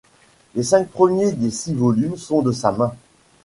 Les cinq premiers des six volumes sont de sa main.